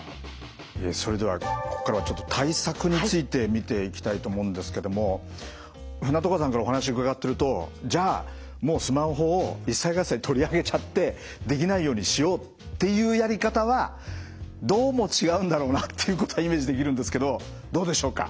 それではここからは対策について見ていきたいと思うんですけども舩渡川さんからお話を伺っているとじゃあもうスマホを一切合財取りあげちゃってできないようにしようっていうやり方はどうも違うんだろうなっていうことはイメージできるんですけどどうでしょうか？